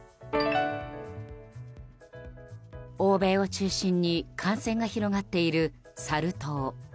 欧米を中心に感染が広がっているサル痘。